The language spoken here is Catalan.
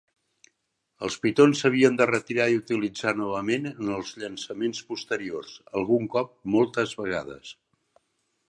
Els pitons s'havien de retirar i utilitzar novament en els llançaments posteriors, algun cop moltes vegades.